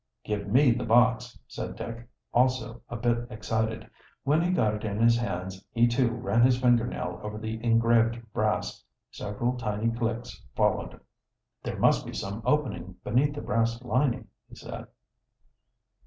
"Give me the box," said Dick, also a bit excited. When he got it in his hands he, too, ran his finger nail over the engraved brass. Several tiny clicks followed. "There must be some opening beneath the brass lining," he said.